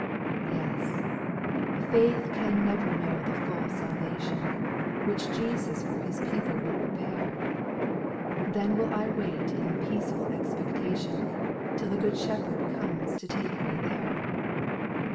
5. Yes I Faith can never know the full salvation, Which Jesus for His people will prepare ; Then will I wait in peaceful expectation, Till the good Shepherd comes to take me there.